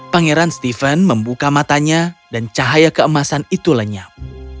pangeran stephen membuka matanya dan cahaya keemasan itu lenyap